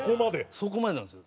そこまでなんですよ。